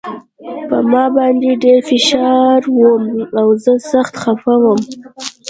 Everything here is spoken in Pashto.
په ما باندې ډېر فشار و او زه سخت خپه وم